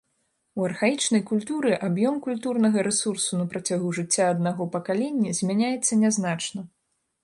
У архаічнай культуры аб'ём культурнага рэсурсу на працягу жыцця аднаго пакалення змяняецца нязначна.